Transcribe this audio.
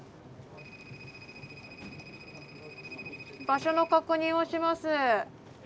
☎場所の確認をします。